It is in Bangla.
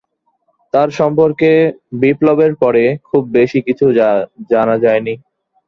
তার সম্পর্কে বিপ্লবের পরে খুব বেশি কিছু জানা যায়নি।